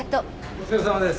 お疲れさまです。